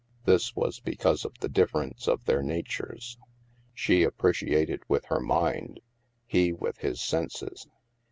This was because of the difference of their na tures. She appreciated with her mind, he with his senses.